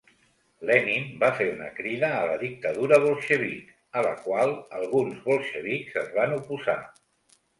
Lenin va fer una crida a la dictadura bolxevic, a la qual alguns bolxevics es van oposar.